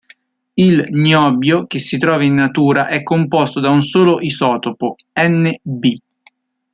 Il niobio che si trova in natura è composto da un solo isotopo, Nb.